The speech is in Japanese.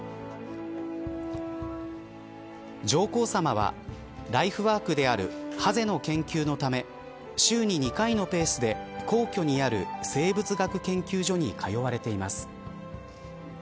上皇さまはライフワークであるハゼの研究のため週に２回のペースで皇居にある生物学研究所に通われています。